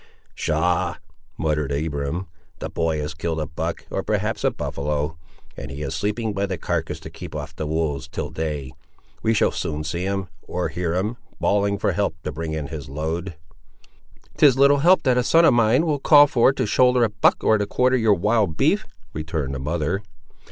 "Pshaw!" muttered Abiram; "the boy has killed a buck; or perhaps a buffaloe; and he is sleeping by the carcass to keep off the wolves, till day; we shall soon see him, or hear him bawling for help to bring in his load." "'Tis little help that a son of mine will call for, to shoulder a buck or to quarter your wild beef," returned the mother.